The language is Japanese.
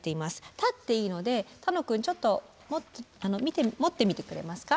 立っていいので楽くんちょっと持ってみてくれますか？